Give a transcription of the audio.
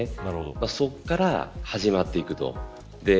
そこから始まっていくと。